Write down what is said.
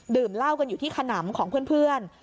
ดื่มเหล้ากันอยู่ที่ขนำของเพื่อน